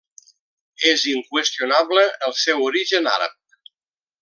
És inqüestionable el seu origen àrab.